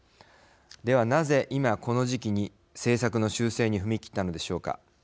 では、なぜ今この時期に政策の修正に踏み切ったのでしょうか。